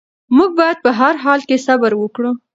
موږ باید په هر حال کې صبر وکړو.